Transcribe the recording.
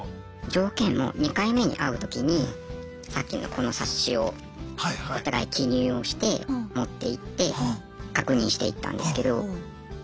条件も２回目に会う時にさっきのこの冊子をお互い記入をして持っていって確認していったんですけどま